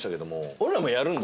俺らもやるんだ？